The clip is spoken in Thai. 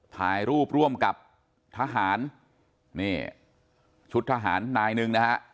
ถ่ายรูปร่วมกับทหารนี่ชุดทหารนายหนึ่งนะฮะ